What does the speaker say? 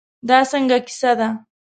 دا څنګه کیسه ده.